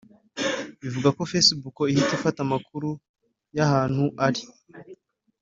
bivugwa ko Facebook ihita ifata amakuru y’ahantu ari